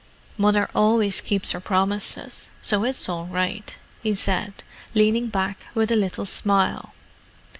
"Mother always keeps her promises, so it's all right," he said, leaning back with a little smile.